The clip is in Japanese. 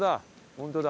本当だ。